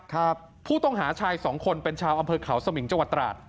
ครับผู้ต้องหาชายสองคนเป็นชาวอำเภอเขาสมิงจังหวัดตราด